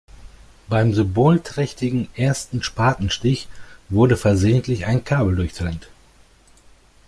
Beim symbolträchtigen ersten Spatenstich wurde versehentlich ein Kabel durchtrennt.